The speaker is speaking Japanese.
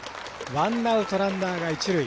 ワンアウトランナーが一塁。